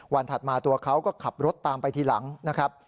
ถัดมาตัวเขาก็ขับรถตามไปทีหลังนะครับ